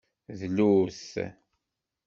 Dlut.